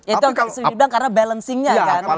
itu karena balancingnya kan